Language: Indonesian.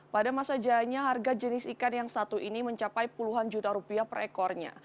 pada masa jaya harga jenis ikan yang satu ini mencapai puluhan juta rupiah per ekornya